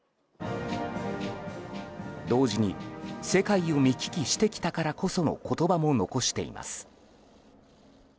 同時に、世界を見聞きしてきたからこその言葉も残しています。